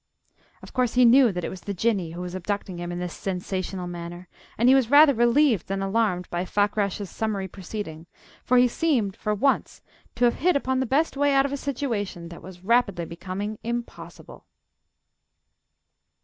Of course, he knew that it was the Jinnee who was abducting him in this sensational manner, and he was rather relieved than alarmed by Fakrash's summary proceeding, for he seemed, for once, to have hit upon the best way out of a situation that was rapidly becoming impossible.